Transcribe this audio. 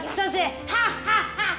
ハッハッハッ！